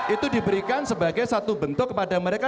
itu diberikan sebagai satu bentuk kepada mereka